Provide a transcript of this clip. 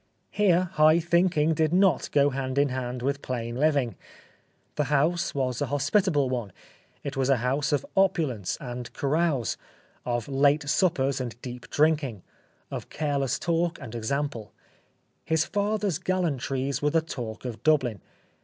Here high think ing did not go hand in hand with plain living. The house was a hospitable one ; it was a house of opulence and carouse ; of late suppers and deep drinking ; of careless talk and example. His father's gallantries were the talk of Dublin.